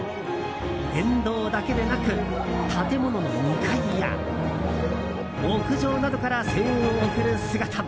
沿道だけでなく建物の２階や屋上などから声援を送る姿も。